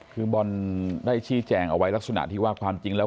คือบอลได้ชี้แจงเอาไว้ลักษณะที่ว่าความจริงแล้ว